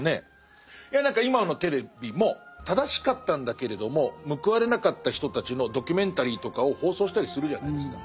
いや何か今のテレビも正しかったんだけれども報われなかった人たちのドキュメンタリーとかを放送したりするじゃないですか。